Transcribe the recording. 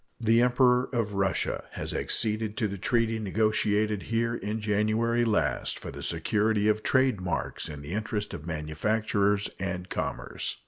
The Emperor of Russia has acceded to the treaty negotiated here in January last for the security of trade marks in the interest of manufacturers and commerce.